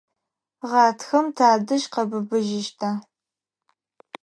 Гъатхэм тадэжь къэбыбыжьыщтха?